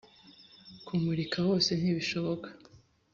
kumurika hose ntibishoboka.